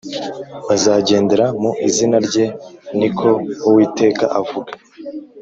bazagendera mu izina rye Ni ko Uwiteka avuga